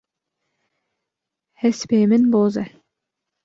Hespê min boz e.